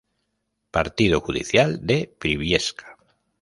Partido judicial de Briviesca.